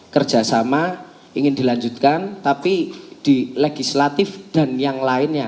kerjasama ingin dilanjutkan tapi di legislatif dan yang lainnya